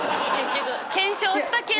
検証したけど。